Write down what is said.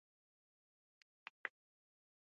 دوهم مطلب : د شورا اصل